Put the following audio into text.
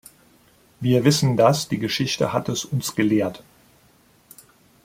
Wir wissen das die Geschichte hat es uns gelehrt.